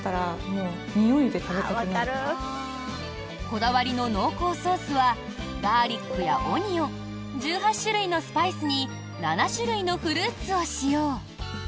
こだわりの濃厚ソースはガーリックやオニオン１８種類のスパイスに７種類のフルーツを使用。